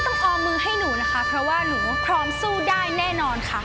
ออมมือให้หนูนะคะเพราะว่าหนูพร้อมสู้ได้แน่นอนค่ะ